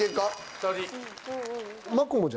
２人。